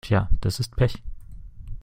Tja, das ist Pech.